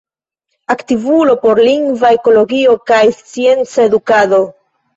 Aktivulo por lingva ekologio kaj scienca edukado.